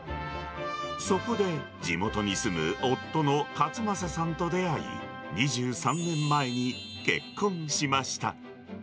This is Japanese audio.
そこで、地元に住む夫の勝政さんと出会い、２３年前に結婚しました。